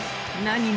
何？